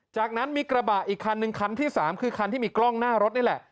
จากนั้นมีกระบะอีกคันนึงคันที่๓คือคันที่มีกล้องหน้ารถนี่แหละ